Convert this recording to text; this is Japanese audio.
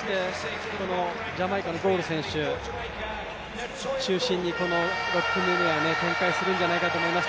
ジャマイカのゴウル選手中心にこの６組目は展開するんじゃないかと思います。